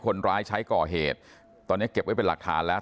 คนร้ายใช้ก่อเหตุตอนนี้เก็บไว้เป็นหลักฐานแล้ว